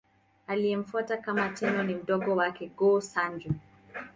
Aliyemfuata kama Tenno ni mdogo wake, Go-Sanjo.